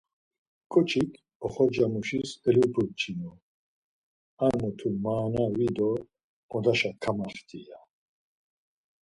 Ǩoçik oxorcamuşis elupurçinu, ‘ar mutu maana vi do odaşa kamaxti’ ya.